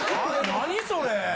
何それ？